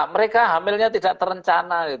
mereka hamilnya tidak terencana